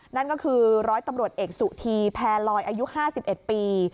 นั่นก็คือร้อยตำรวจเอกสุธีแพรลอยอายุ๕๑ปี